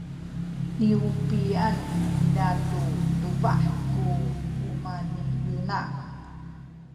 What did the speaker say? niubi’an niza tu tubah ku umah ni Yona.